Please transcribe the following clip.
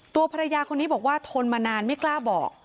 ตัวภรรยาคนนี้บอกว่าทนมานานไม่กล้าบอก